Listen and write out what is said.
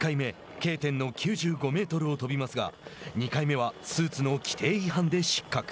Ｋ点の９５メートルを飛びますが２回目はスーツの規定違反で失格。